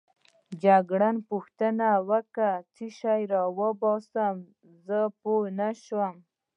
جګړن پوښتنه وکړه: څه شی راوباسې؟ زه پوه نه شوم.